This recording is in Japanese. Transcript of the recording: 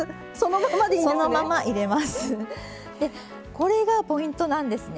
これがポイントなんですね。